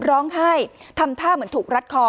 ร้องไห้ทำท่าเหมือนถูกรัดคอ